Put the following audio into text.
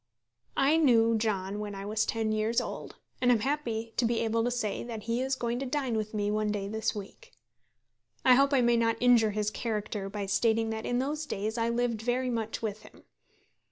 I knew John when I was ten years old, and am happy to be able to say that he is going to dine with me one day this week. I hope I may not injure his character by stating that in those days I lived very much with him.